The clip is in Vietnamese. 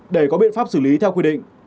để có biện pháp xử lý theo quy định